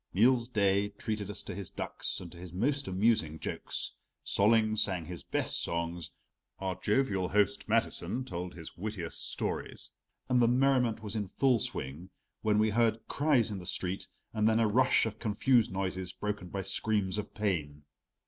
Niels Daae treated us to his ducks and to his most amusing jokes, Solling sang his best songs, our jovial host Mathiesen told his wittiest stories, and the merriment was in full swing when we heard cries in the street, and then a rush of confused noises broken by screams of pain.